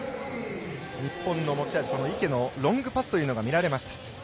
日本の持ち味、この池のロングパスというのが見られました。